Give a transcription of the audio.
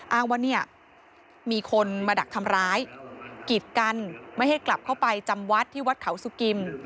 อ้างว่าเนี่ยมีคนมาดักทำร้ายกีดกันไม่ให้กลับเข้าไปจำวัดที่วัดเขาสุกิม